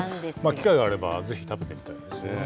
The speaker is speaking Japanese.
機会があれば、ぜひ食べてみたいですよね。